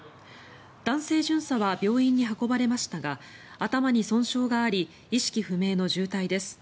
男性巡査は病院に運ばれましたが頭に損傷があり意識不明の重体です。